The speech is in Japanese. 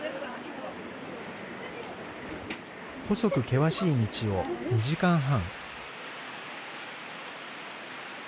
細く険しい道を２時間半。